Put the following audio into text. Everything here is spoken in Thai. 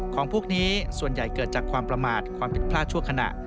ของพวกนี้ส่วนใหญ่เกิดจากความประมาทความผิดพลาดชั่วขณะ